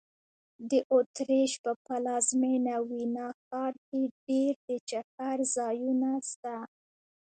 د اوترېش په پلازمېنه ویانا ښار کې ډېر د چکر ځایونه سته.